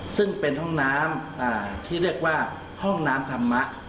ซึ่งเป็นห้องน้ำที่เรียกว่าห้องน้ำธรรมะ